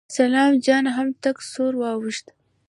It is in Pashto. سلام جان هم تک سور واوښت.